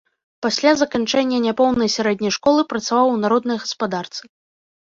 Пасля заканчэння няпоўнай сярэдняй школы працаваў у народнай гаспадарцы.